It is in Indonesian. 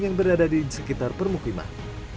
yang berada di sekitar permukiman